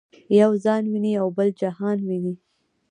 یو ځان ویني او بل جهان ویني.